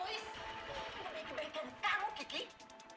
ini hutan sewumait